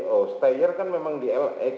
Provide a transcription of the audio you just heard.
oh steyer kan memang di la